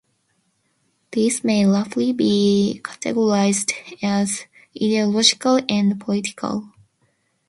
These may roughly be categorized as ideological and political.